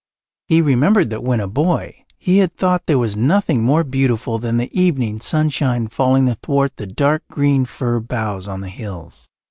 He remembered that when a boy he had thought there was nothing more beautiful than the evening sunshine falling athwart the dark green fir boughs on the hills.